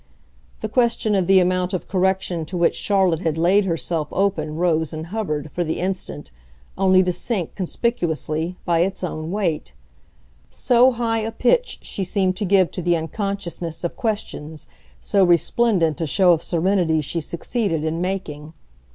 The question of the amount of correction to which Charlotte had laid herself open rose and hovered, for the instant, only to sink, conspicuously, by its own weight; so high a pitch she seemed to give to the unconsciousness of questions, so resplendent a show of serenity she succeeded in making.